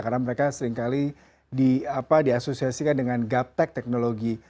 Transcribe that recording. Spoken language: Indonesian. karena mereka seringkali diasosiasikan dengan gaptec teknologi